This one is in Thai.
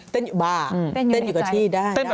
เต้นอยู่บ้าเต้นอยู่ใบทีได้ดังนั้น